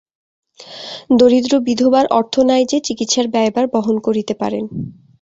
দরিদ্র বিধবার অর্থ নাই যে চিকিৎসার ব্যয়ভার বহন করিতে পারেন।